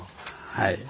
はい。